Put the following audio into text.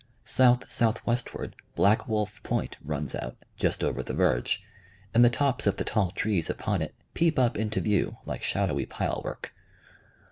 South southwestward, Black Wolf Point runs out, just over the verge, and the tops of the tall trees upon it peep up into view, like shadowy pile work.